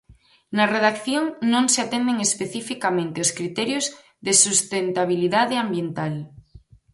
Na redacción non se atenden especificamente os criterios de sustentabilidade ambiental.